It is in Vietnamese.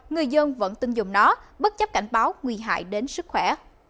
người dân vẫn tin dùng nó bất chấp cảnh báo nguy hại đến sức khỏe